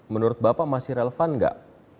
menurut bapak masih relevan nggak